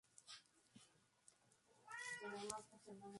Las mezclas binarias son las que tienen dos componentes.